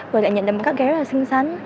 vừa có thể nhận được một các ghế rất là xinh xắn